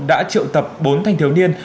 đã triệu tập bốn thanh thiếu niên